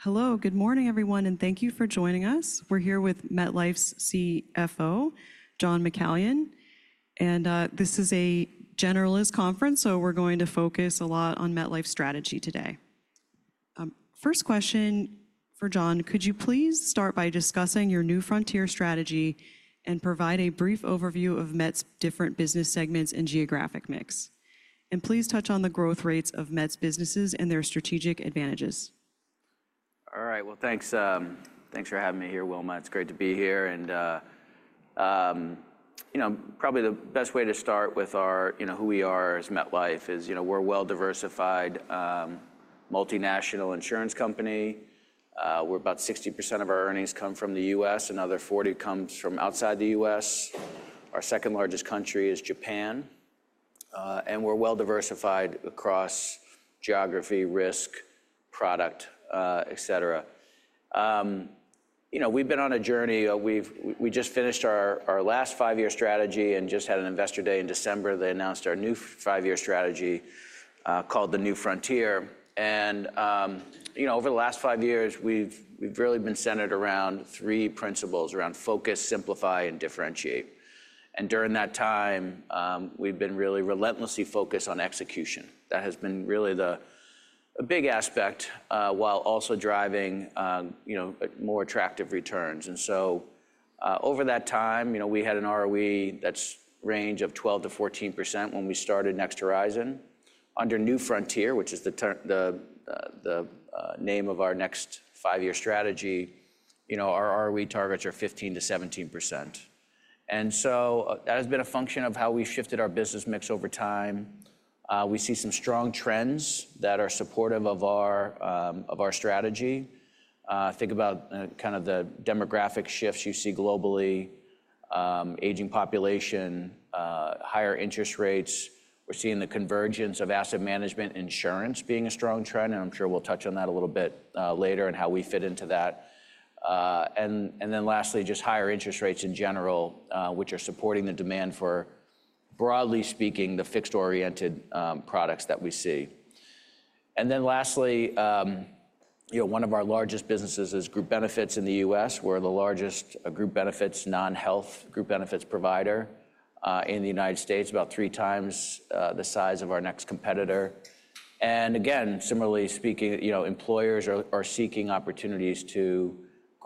Hello, good morning, everyone, and thank you for joining us. We're here with MetLife's CFO, John McCallion. And this is a generalist conference, so we're going to focus a lot on MetLife's strategy today. First question for John, could you please start by discussing your New Frontier strategy and provide a brief overview of Met's different business segments and geographic mix? And please touch on the growth rates of Met's businesses and their strategic advantages. All right, well, thanks for having me here, Wilma. It's great to be here. And probably the best way to start with our who we are as MetLife is we're a well-diversified multinational insurance company. About 60% of our earnings come from the U.S., another 40% comes from outside the U.S. Our second largest country is Japan. And we're well-diversified across geography, risk, product, et cetera. We've been on a journey. We just finished our last five-year strategy and just had an investor day in December. They announced our new five-year strategy called the New Frontier. And over the last five years, we've really been centered around three principles: around focus, simplify, and differentiate. And during that time, we've been really relentlessly focused on execution. That has been really a big aspect while also driving more attractive returns. And so over that time, we had an ROE that's a range of 12%-14% when we started Next Horizon. Under New Frontier, which is the name of our next five-year strategy, our ROE targets are 15%-17%. And so that has been a function of how we've shifted our business mix over time. We see some strong trends that are supportive of our strategy. Think about kind of the demographic shifts you see globally: aging population, higher interest rates. We're seeing the convergence of asset management and insurance being a strong trend. And I'm sure we'll touch on that a little bit later and how we fit into that. And then lastly, just higher interest rates in general, which are supporting the demand for, broadly speaking, the fixed-oriented products that we see. And then lastly, one of our largest businesses is Group Benefits in the U.S. We're the largest group benefits, non-health group benefits provider in the United States, about three times the size of our next competitor. And again, similarly speaking, employers are seeking opportunities to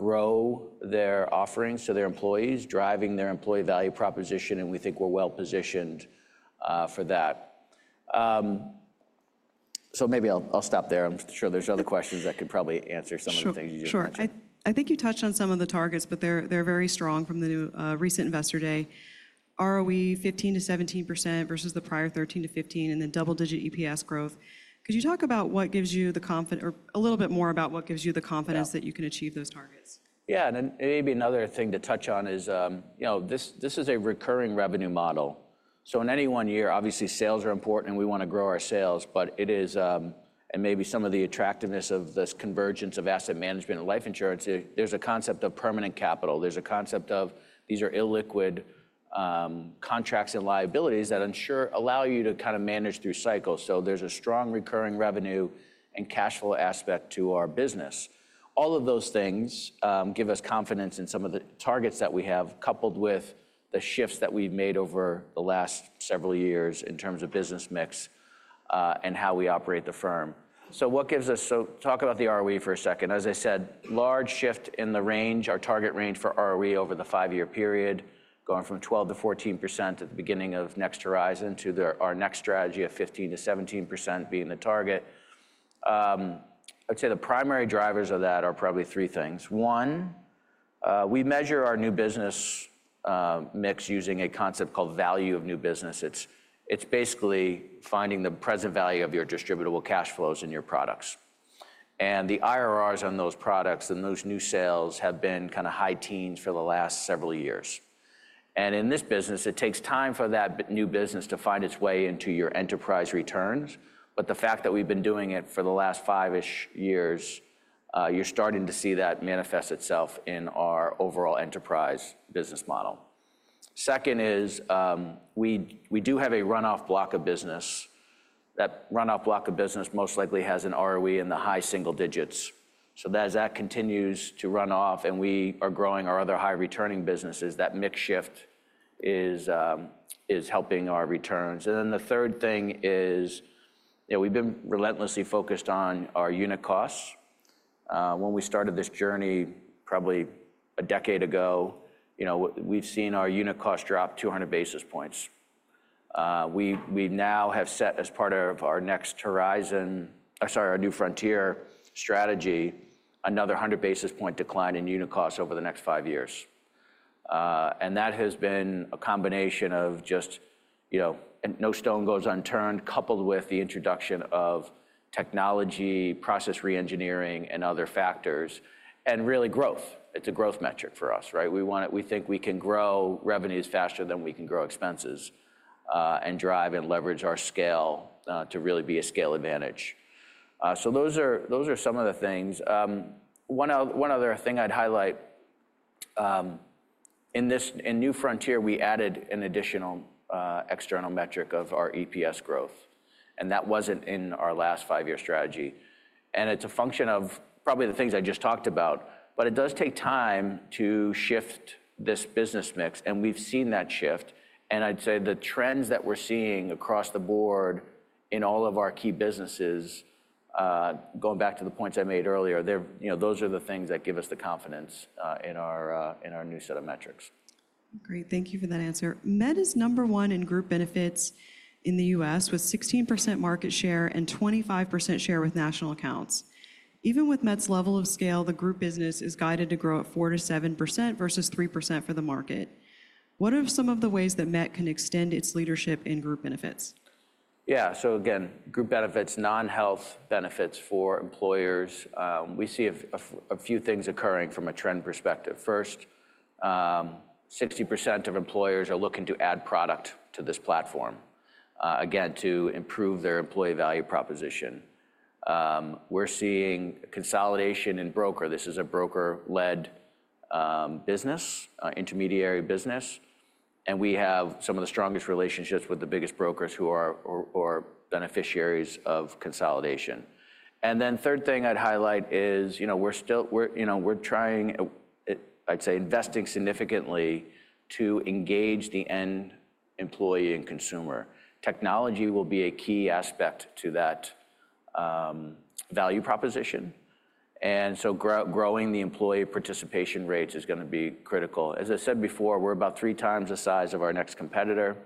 grow their offerings to their employees, driving their employee value proposition. And we think we're well-positioned for that. So maybe I'll stop there. I'm sure there's other questions that could probably answer some of the things you just mentioned. Sure. I think you touched on some of the targets, but they're very strong from the recent investor day. ROE 15%-17% versus the prior 13%-15%, and then double-digit EPS growth. Could you talk about what gives you the confidence, or a little bit more about what gives you the confidence that you can achieve those targets? Yeah, and maybe another thing to touch on is this is a recurring revenue model. So in any one year, obviously, sales are important, and we want to grow our sales. But it is, and maybe some of the attractiveness of this convergence of asset management and life insurance, there's a concept of permanent capital. There's a concept of these are illiquid contracts and liabilities that insurers allow you to kind of manage through cycles. So there's a strong recurring revenue and cash flow aspect to our business. All of those things give us confidence in some of the targets that we have, coupled with the shifts that we've made over the last several years in terms of business mix and how we operate the firm. So what gives us, so talk about the ROE for a second. As I said, large shift in the range, our target range for ROE over the five-year period, going from 12%-14% at the beginning of Next Horizon to our next strategy of 15%-17% being the target. I'd say the primary drivers of that are probably three things. One, we measure our new business mix using a concept called value of new businesses. It's basically finding the present value of your distributable cash flows and your products, and the IRRs on those products and those new sales have been kind of high-teen for the last several years, and in this business, it takes time for that new business to find its way into your enterprise returns, but the fact that we've been doing it for the last five-ish years, you're starting to see that manifest itself in our overall enterprise business model. Second is we do have a runoff block of business. That runoff block of business most likely has an ROE in the high single digits. So as that continues to run off and we are growing our other high-returning businesses, that mix shift is helping our returns. And then the third thing is we've been relentlessly focused on our unit costs. When we started this journey probably a decade ago, we've seen our unit cost drop 200 basis points. We now have set as part of our Next Horizon, sorry, our New Frontier strategy, another 100 basis point decline in unit costs over the next five years. And that has been a combination of just no stone goes unturned, coupled with the introduction of technology, process re-engineering, and other factors, and really growth. It's a growth metric for us, right? We think we can grow revenues faster than we can grow expenses and drive and leverage our scale to really be a scale advantage. So those are some of the things. One other thing I'd highlight, in New Frontier, we added an additional external metric of our EPS growth. And that wasn't in our last five-year strategy. And it's a function of probably the things I just talked about. But it does take time to shift this business mix. And we've seen that shift. And I'd say the trends that we're seeing across the board in all of our key businesses, going back to the points I made earlier, those are the things that give us the confidence in our new set of metrics. Great. Thank you for that answer. Met is number one in group benefits in the U.S. with 16% market share and 25% share with national accounts. Even with Met's level of scale, the group business is guided to grow at 4%-7% versus 3% for the market. What are some of the ways that Met can extend its leadership in group benefits? Yeah, so again, group benefits, non-health benefits for employers. We see a few things occurring from a trend perspective. First, 60% of employers are looking to add product to this platform, again, to improve their employee value proposition. We're seeing consolidation in broker. This is a broker-led business, intermediary business. And we have some of the strongest relationships with the biggest brokers who are beneficiaries of consolidation. And then third thing I'd highlight is we're trying, I'd say, investing significantly to engage the end employee and consumer. Technology will be a key aspect to that value proposition. And so growing the employee participation rates is going to be critical. As I said before, we're about three times the size of our next competitor.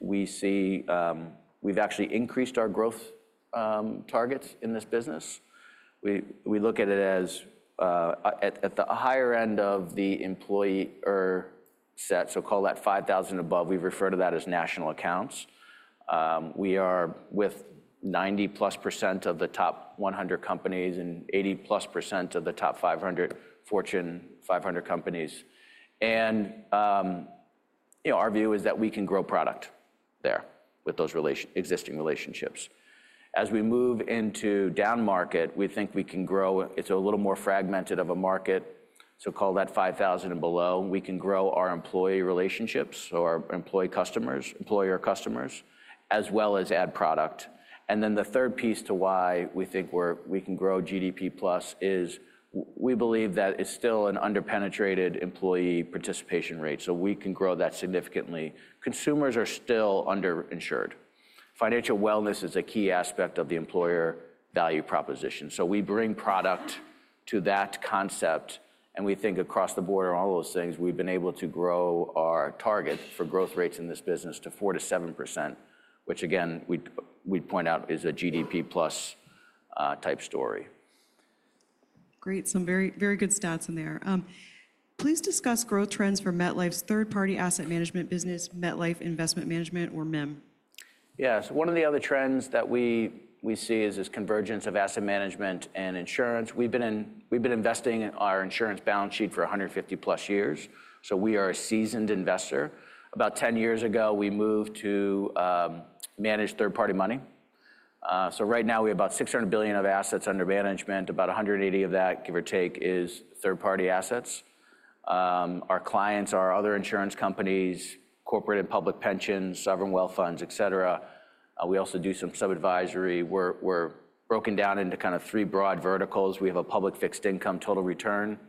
We've actually increased our growth targets in this business. We look at it as the higher end of the employer set, so call that 5,000 and above. We refer to that as National Accounts. We are with 90% plus of the top 100 companies and 80% plus of the top 500 Fortune 500 companies, and our view is that we can grow product there with those existing relationships. As we move into down market, we think we can grow. It's a little more fragmented of a market, so call that 5,000 and below. We can grow our employer relationships or employee customers, employer customers, as well as add product, and then the third piece to why we think we can grow GDP plus is we believe that it's still an underpenetrated employee participation rate, so we can grow that significantly. Consumers are still underinsured. Financial wellness is a key aspect of the employer value proposition. So we bring product to that concept. And we think across the board on all those things, we've been able to grow our target for growth rates in this business to 4%-7%, which, again, we'd point out is a GDP plus type story. Great. Some very good stats in there. Please discuss growth trends for MetLife's third-party asset management business, MetLife Investment Management, or MIM. Yeah, so one of the other trends that we see is this convergence of asset management and insurance. We've been investing in our insurance balance sheet for 150 plus years. So we are a seasoned investor. About 10 years ago, we moved to manage third-party money. So right now, we have about 600 billion of assets under management. About 180 of that, give or take, is third-party assets. Our clients are other insurance companies, corporate and public pensions, sovereign wealth funds, et cetera. We also do some sub-advisory. We're broken down into kind of three broad verticals. We have a public fixed income total return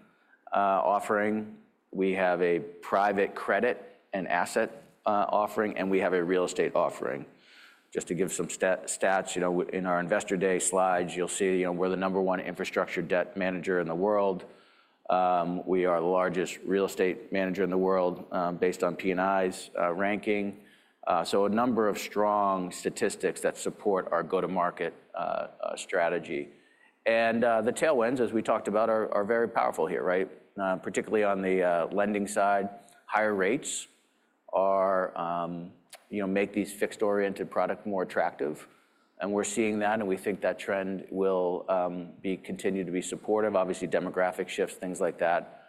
offering. We have a private credit and asset offering. And we have a real estate offering. Just to give some stats, in our investor day slides, you'll see we're the number one infrastructure debt manager in the world. We are the largest real estate manager in the world based on P&I's ranking. So a number of strong statistics that support our go-to-market strategy. And the tailwinds, as we talked about, are very powerful here, right? Particularly on the lending side. Higher rates make these fixed-oriented products more attractive. And we're seeing that. And we think that trend will continue to be supportive. Obviously, demographic shifts, things like that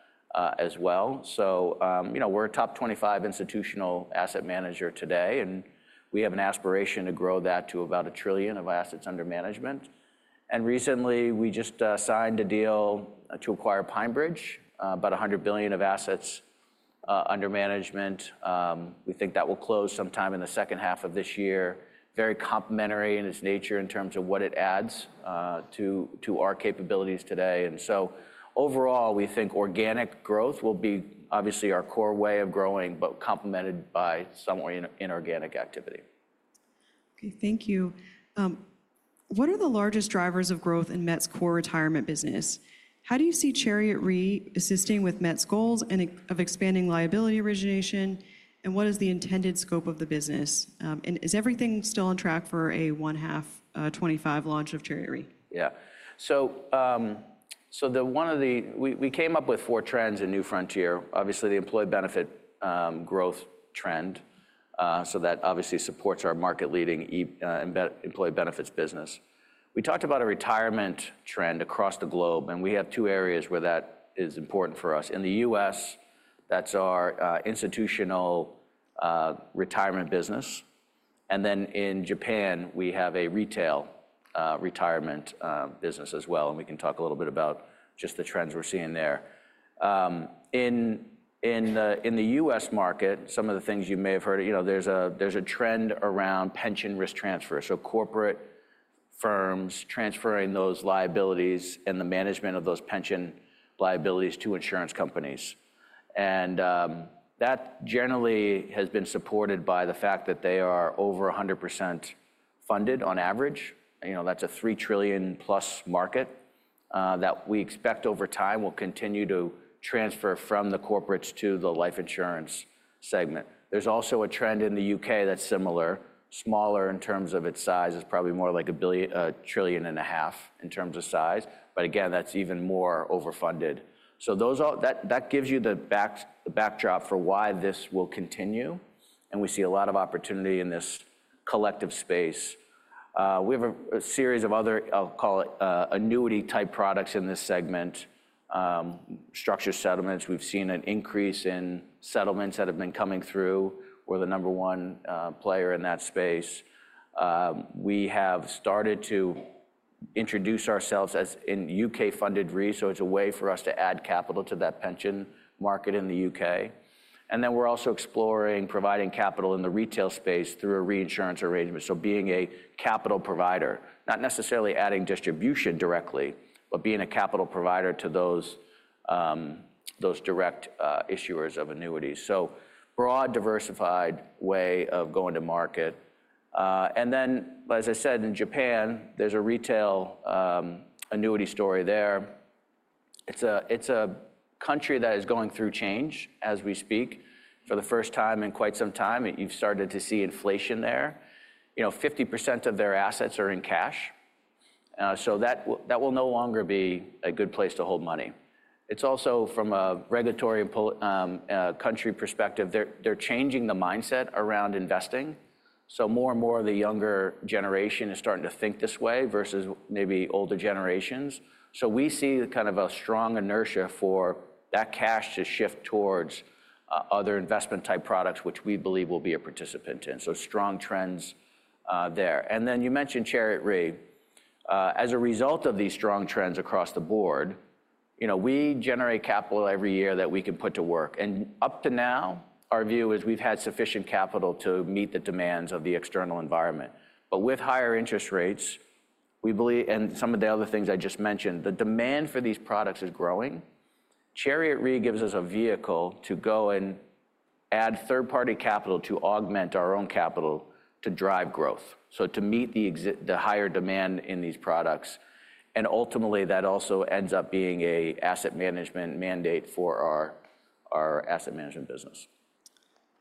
as well. So we're a top 25 institutional asset manager today. And we have an aspiration to grow that to about a trillion of assets under management. And recently, we just signed a deal to acquire PineBridge, about 100 billion of assets under management. We think that will close sometime in the second half of this year. Very complementary in its nature in terms of what it adds to our capabilities today. Overall, we think organic growth will be obviously our core way of growing, but complemented by some inorganic activity. Okay, thank you. What are the largest drivers of growth in Met's core retirement business? How do you see Chariot Re assisting with Met's goals of expanding liability origination? And what is the intended scope of the business? And is everything still on track for a 1H25 launch of Chariot Re? Yeah. So one of the, we came up with four trends in New Frontier. Obviously, the employee benefit growth trend. So that obviously supports our market-leading employee benefits business. We talked about a retirement trend across the globe. And we have two areas where that is important for us. In the U.S., that's our institutional retirement business. And then in Japan, we have a retail retirement business as well. And we can talk a little bit about just the trends we're seeing there. In the U.S. market, some of the things you may have heard, there's a trend around pension risk transfer. So corporate firms transferring those liabilities and the management of those pension liabilities to insurance companies. And that generally has been supported by the fact that they are over 100% funded on average. That's a three trillion plus market that we expect over time will continue to transfer from the corporates to the life insurance segment. There's also a trend in the U.K. that's similar, smaller in terms of its size. It's probably more like a trillion and a half in terms of size. But again, that's even more overfunded. So that gives you the backdrop for why this will continue. And we see a lot of opportunity in this collective space. We have a series of other, I'll call it annuity-type products in this segment, structured settlements. We've seen an increase in settlements that have been coming through. We're the number one player in that space. We have started to introduce ourselves as in U.K.-funded reinsurance. So it's a way for us to add capital to that pension market in the U.K. And then we're also exploring providing capital in the retail space through a reinsurance arrangement. So being a capital provider, not necessarily adding distribution directly, but being a capital provider to those direct issuers of annuities. So broad, diversified way of going to market. And then, as I said, in Japan, there's a retail annuity story there. It's a country that is going through change as we speak. For the first time in quite some time, you've started to see inflation there. 50% of their assets are in cash. So that will no longer be a good place to hold money. It's also from a regulatory country perspective, they're changing the mindset around investing. So more and more of the younger generation is starting to think this way versus maybe older generations. So, we see kind of a strong inertia for that cash to shift towards other investment-type products, which we believe will be a participant in. So, strong trends there. And then you mentioned Chariot Re. As a result of these strong trends across the board, we generate capital every year that we can put to work. And up to now, our view is we've had sufficient capital to meet the demands of the external environment. But with higher interest rates, we believe, and some of the other things I just mentioned, the demand for these products is growing. Chariot Re gives us a vehicle to go and add third-party capital to augment our own capital to drive growth. So, to meet the higher demand in these products. And ultimately, that also ends up being an asset management mandate for our asset management business.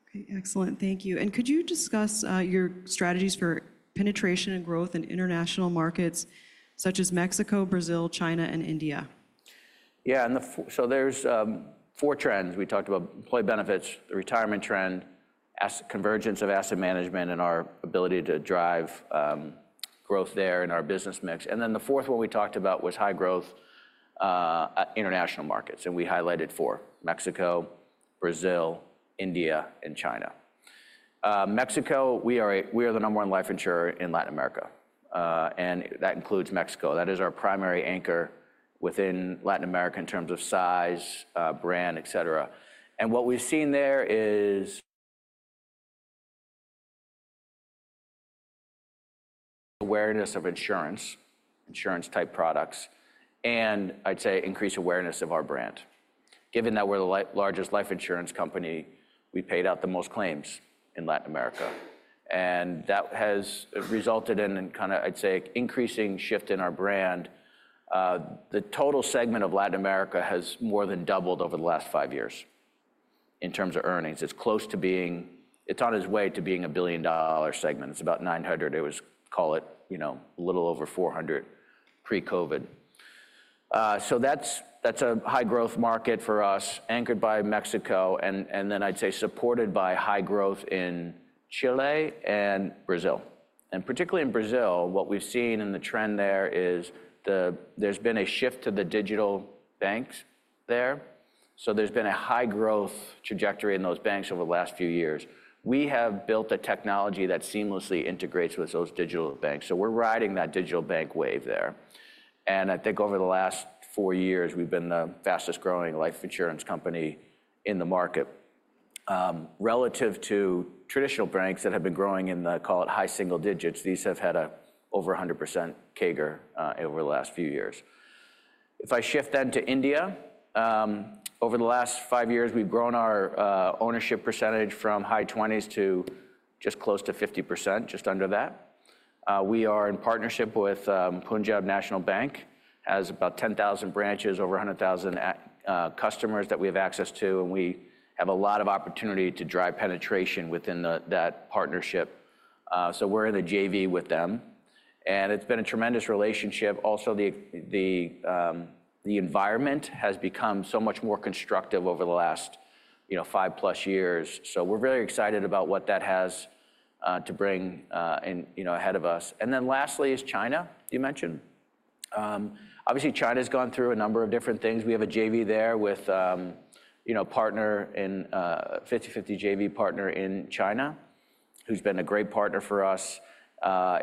Okay, excellent. Thank you. And could you discuss your strategies for penetration and growth in international markets such as Mexico, Brazil, China, and India? Yeah, so there's four trends. We talked about employee benefits, the retirement trend, convergence of asset management, and our ability to drive growth there in our business mix, and then the fourth one we talked about was high growth international markets, and we highlighted four: Mexico, Brazil, India, and China. Mexico, we are the number one life insurer in Latin America, and that includes Mexico. That is our primary anchor within Latin America in terms of size, brand, et cetera, and what we've seen there is awareness of insurance, insurance-type products, and I'd say increased awareness of our brand. Given that we're the largest life insurance company, we paid out the most claims in Latin America, and that has resulted in kind of, I'd say, an increasing shift in our brand. The total segment of Latin America has more than doubled over the last five years in terms of earnings. It's close to being, it's on its way to being a billion-dollar segment. It's about 900. It was, call it a little over 400 pre-COVID. So that's a high-growth market for us, anchored by Mexico. And then I'd say supported by high growth in Chile and Brazil. And particularly in Brazil, what we've seen in the trend there is there's been a shift to the digital banks there. So there's been a high-growth trajectory in those banks over the last few years. We have built a technology that seamlessly integrates with those digital banks. So we're riding that digital bank wave there. And I think over the last four years, we've been the fastest-growing life insurance company in the market. Relative to traditional banks that have been growing in the, call it high single digits, these have had an over 100% CAGR over the last few years. If I shift then to India, over the last five years, we've grown our ownership percentage from high 20s to just close to 50%, just under that. We are in partnership with Punjab National Bank. It has about 10,000 branches, over 100,000 customers that we have access to, and we have a lot of opportunity to drive penetration within that partnership, so we're in the JV with them, and it's been a tremendous relationship. Also, the environment has become so much more constructive over the last five-plus years, so we're very excited about what that has to bring ahead of us, and then lastly is China, you mentioned. Obviously, China has gone through a number of different things. We have a JV there with a 50/50 JV partner in China, who's been a great partner for us.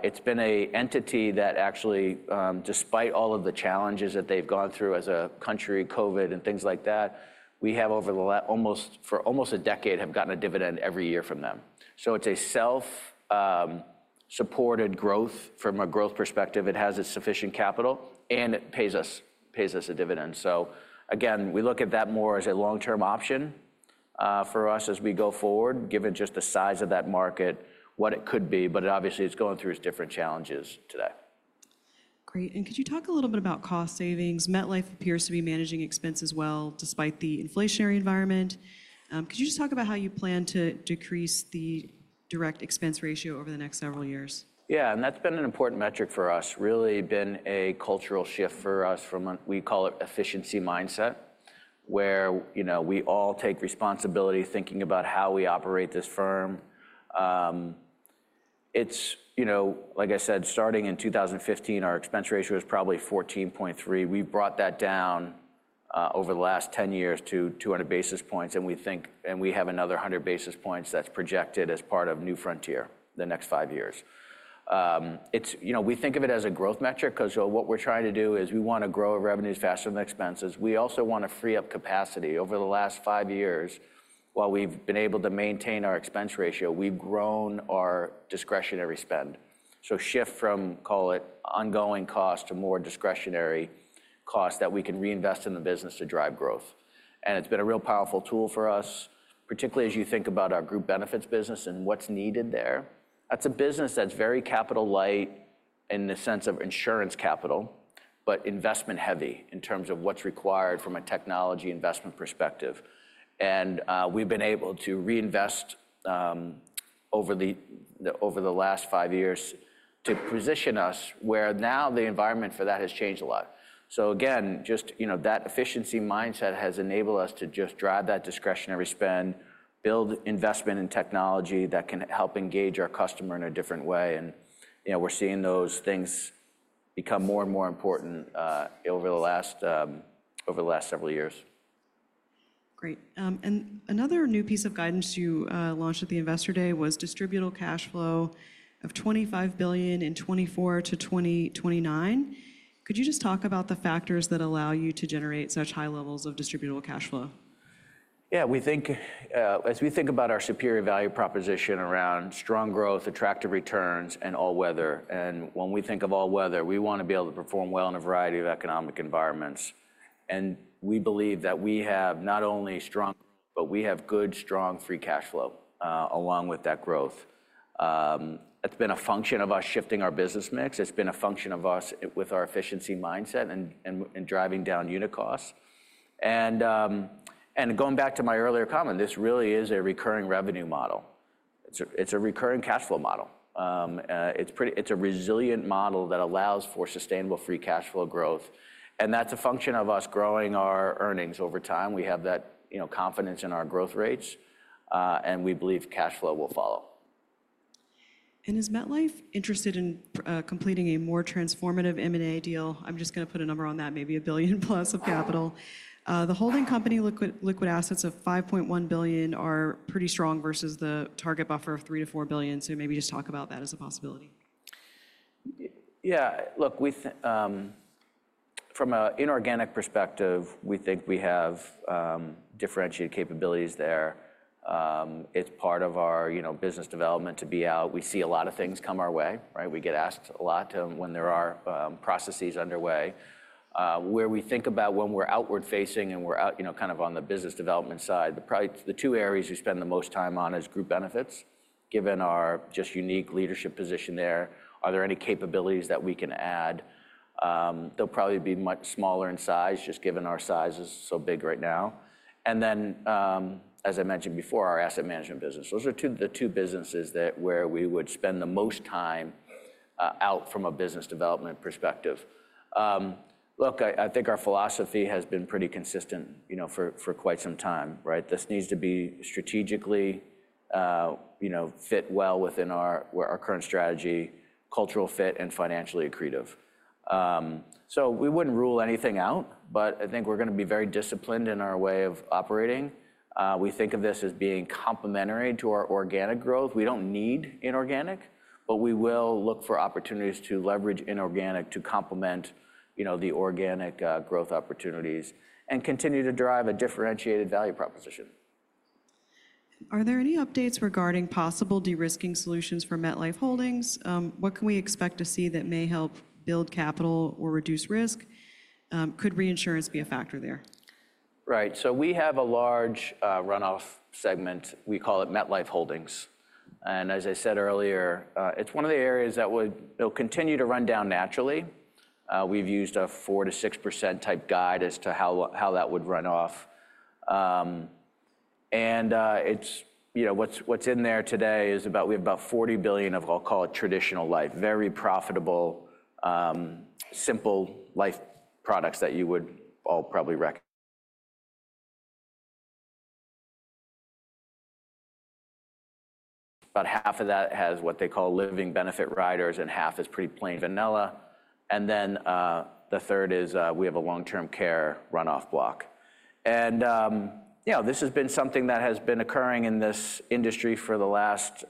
It's been an entity that actually, despite all of the challenges that they've gone through as a country, COVID and things like that, we have over the last almost a decade gotten a dividend every year from them. So it's a self-supported growth from a growth perspective. It has its sufficient capital. And it pays us a dividend. So again, we look at that more as a long-term option for us as we go forward, given just the size of that market, what it could be. But obviously, it's going through its different challenges today. Great. And could you talk a little bit about cost savings? MetLife appears to be managing expenses well despite the inflationary environment. Could you just talk about how you plan to decrease the direct expense ratio over the next several years? Yeah, and that's been an important metric for us. Really been a cultural shift for us from, we call it efficiency mindset, where we all take responsibility thinking about how we operate this firm. It's, like I said, starting in 2015, our expense ratio was probably 14.3%. We brought that down over the last 10 years to 200 basis points. And we think, and we have another 100 basis points that's projected as part of New Frontier the next five years. We think of it as a growth metric because what we're trying to do is we want to grow our revenues faster than expenses. We also want to free up capacity. Over the last five years, while we've been able to maintain our expense ratio, we've grown our discretionary spend. So, shift from, call it, ongoing cost to more discretionary cost that we can reinvest in the business to drive growth. And it's been a real powerful tool for us, particularly as you think about our group benefits business and what's needed there. That's a business that's very capital-light in the sense of insurance capital, but investment-heavy in terms of what's required from a technology investment perspective. And we've been able to reinvest over the last five years to position us where now the environment for that has changed a lot. So again, just that efficiency mindset has enabled us to just drive that discretionary spend, build investment in technology that can help engage our customer in a different way. And we're seeing those things become more and more important over the last several years. Great. And another new piece of guidance you launched at the Investor Day was distributable cash flow of $25 billion in 2024 to 2029. Could you just talk about the factors that allow you to generate such high levels of distributable cash flow? Yeah, we think, as we think about our superior value proposition around strong growth, attractive returns, and all weather. And when we think of all weather, we want to be able to perform well in a variety of economic environments. And we believe that we have not only strong growth, but we have good, strong free cash flow along with that growth. It's been a function of us shifting our business mix. It's been a function of us with our efficiency mindset and driving down unit costs. And going back to my earlier comment, this really is a recurring revenue model. It's a recurring cash flow model. It's a resilient model that allows for sustainable free cash flow growth. And that's a function of us growing our earnings over time. We have that confidence in our growth rates. And we believe cash flow will follow. Is MetLife interested in completing a more transformative M&A deal? I'm just going to put a number on that, maybe $1 billion+ of capital. The holding company liquid assets of $5.1 billion are pretty strong versus the target buffer of $3-$4 billion. Maybe just talk about that as a possibility. Yeah, look, from an inorganic perspective, we think we have differentiated capabilities there. It's part of our business development to be out. We see a lot of things come our way. We get asked a lot when there are processes underway. Where we think about when we're outward-facing and we're kind of on the business development side, the two areas we spend the most time on is group benefits. Given our just unique leadership position there, are there any capabilities that we can add? They'll probably be much smaller in size just given our size is so big right now. And then, as I mentioned before, our asset management business. Those are the two businesses where we would spend the most time out from a business development perspective. Look, I think our philosophy has been pretty consistent for quite some time. This needs to be strategically fit well within our current strategy, cultural fit, and financially accretive. So we wouldn't rule anything out, but I think we're going to be very disciplined in our way of operating. We think of this as being complementary to our organic growth. We don't need inorganic, but we will look for opportunities to leverage inorganic to complement the organic growth opportunities and continue to drive a differentiated value proposition. Are there any updates regarding possible de-risking solutions for MetLife Holdings? What can we expect to see that may help build capital or reduce risk? Could reinsurance be a factor there? Right, so we have a large runoff segment. We call it MetLife Holdings. And as I said earlier, it's one of the areas that will continue to run down naturally. We've used a 4%-6% type guide as to how that would run off. And what's in there today is, we have about $40 billion of, I'll call it traditional life, very profitable, simple life products that you would all probably recognize. About half of that has what they call living benefit riders, and half is pretty plain vanilla. And then the third is we have a long-term care runoff block. And this has been something that has been occurring in this industry for the last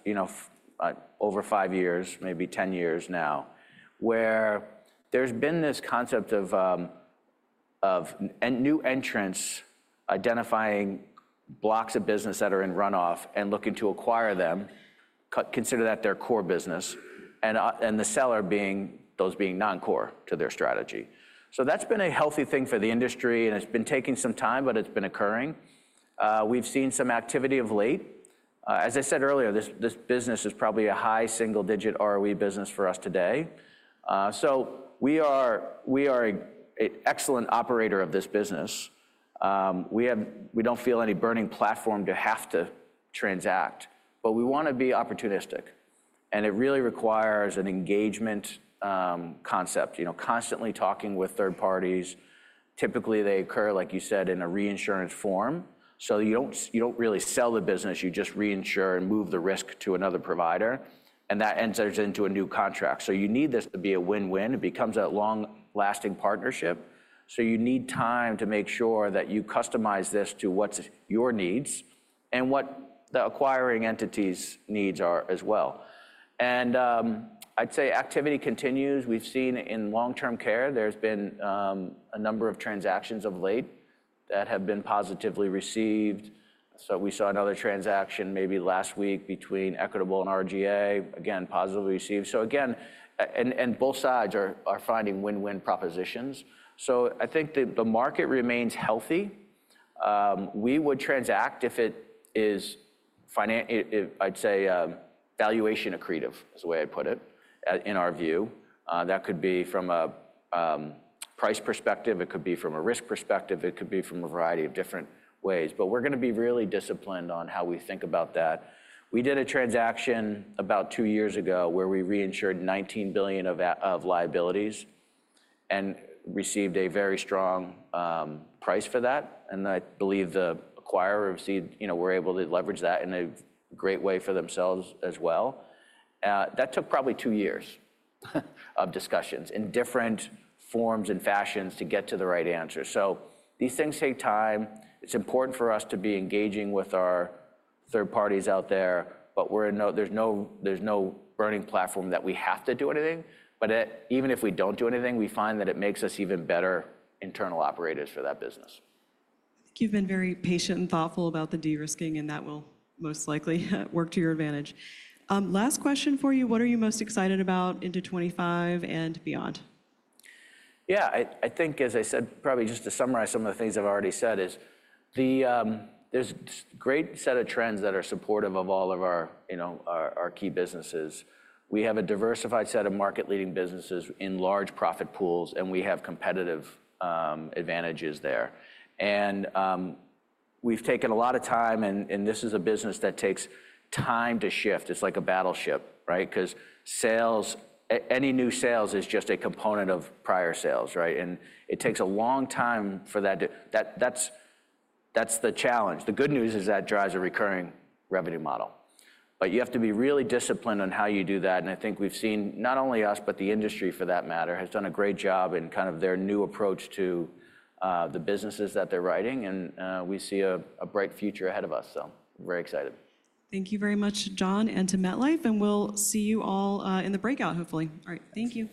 over five years, maybe 10 years now, where there's been this concept of new entrants identifying blocks of business that are in runoff and looking to acquire them, consider that their core business, and the seller being those being non-core to their strategy. So that's been a healthy thing for the industry, and it's been taking some time, but it's been occurring. We've seen some activity of late. As I said earlier, this business is probably a high single-digit ROE business for us today. So we are an excellent operator of this business. We don't feel any burning platform to have to transact, but we want to be opportunistic. And it really requires an engagement concept, constantly talking with third parties. Typically, they occur, like you said, in a reinsurance form. So you don't really sell the business. You just reinsure and move the risk to another provider. And that enters into a new contract. So you need this to be a win-win. It becomes a long-lasting partnership. So you need time to make sure that you customize this to what's your needs and what the acquiring entity's needs are as well. And I'd say activity continues. We've seen in long-term care, there's been a number of transactions of late that have been positively received. So we saw another transaction maybe last week between Equitable and RGA, again, positively received. So again, and both sides are finding win-win propositions. So I think the market remains healthy. We would transact if it is, I'd say, valuation accretive is the way I'd put it in our view. That could be from a price perspective. It could be from a risk perspective. It could be from a variety of different ways, but we're going to be really disciplined on how we think about that. We did a transaction about two years ago where we reinsured $19 billion of liabilities and received a very strong price for that, and I believe the acquirer were able to leverage that in a great way for themselves as well. That took probably two years of discussions in different forms and fashions to get to the right answer, so these things take time. It's important for us to be engaging with our third parties out there, but there's no burning platform that we have to do anything, but even if we don't do anything, we find that it makes us even better internal operators for that business. I think you've been very patient and thoughtful about the de-risking, and that will most likely work to your advantage. Last question for you. What are you most excited about into 2025 and beyond? Yeah, I think, as I said, probably just to summarize some of the things I've already said is there's a great set of trends that are supportive of all of our key businesses. We have a diversified set of market-leading businesses in large profit pools, and we have competitive advantages there. And we've taken a lot of time, and this is a business that takes time to shift. It's like a battleship, right? Because sales, any new sales is just a component of prior sales, right? And it takes a long time for that. That's the challenge. The good news is that drives a recurring revenue model. But you have to be really disciplined on how you do that. And I think we've seen not only us, but the industry for that matter has done a great job in kind of their new approach to the businesses that they're writing. We see a bright future ahead of us. Very excited. Thank you very much, John, and to MetLife and we'll see you all in the breakout, hopefully. All right, thank you.